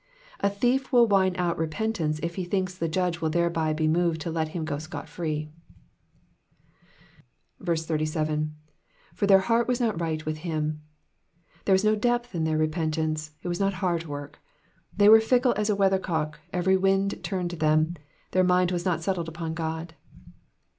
Any thief will whine out repentance if he thinks the judge will thereby be moved to let him go scot free. 87. '^ For their heart was not right with Aim." There was no depth in their repentance, it was not heart work. They were fickle as a weathercock, every wind turned them, their mind was not settled upon God.